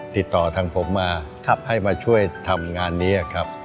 ติดต่อทางผมมาให้มาช่วยทำงานนี้ครับ